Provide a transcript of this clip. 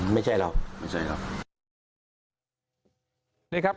ไม่ใช่เหรอไม่ใช่เหรอ